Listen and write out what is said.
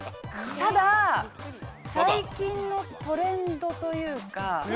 ただ、最近のトレンドというか。